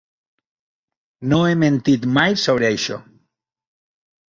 No he mentit mai sobre això.